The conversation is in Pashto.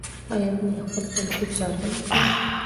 آیا موږ د خپل کلتور ساتنه کوو؟